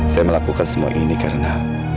saya melakukan semua ini karena